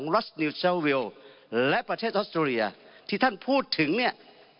รัฐนิวซาวิลและประเทศออสเตรเลียที่ท่านพูดถึงเนี่ย